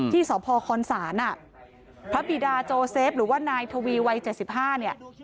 ที่สพคศพระบิดาโจเซฟหรือว่านายทวีวัย๗๕เนี่ย